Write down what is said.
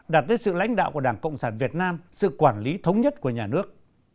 đạt tới sự lãnh đạo của đảng cộng sản việt nam sự quản lý thống nhất của nhà nước